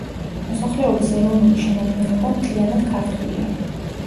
მოსახლეობის ეროვნული შემადგენლობა მთლიანად ქართულია.